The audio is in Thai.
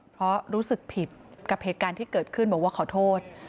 เพราะรู้สึกผิดกับเหตุการณ์ที่เกิดขึ้นบอกว่าขอโทษ